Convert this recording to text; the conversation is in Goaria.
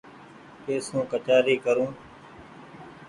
ڪي سون ڪچآري ڪرون ۔